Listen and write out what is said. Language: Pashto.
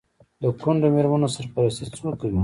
د کونډو میرمنو سرپرستي څوک کوي؟